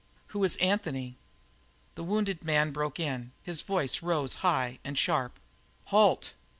"Who is Anthony?" The wounded man broke in; his voice rose high and sharp: "Halt!"